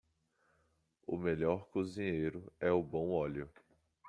O melhor cozinheiro é o bom óleo.